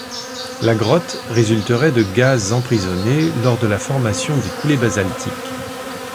La grotte résulterait de gaz emprisonnés lors de la formation des coulées basaltiques.